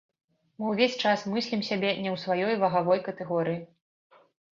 Мы ўвесь час мыслім сябе не ў сваёй вагавой катэгорыі.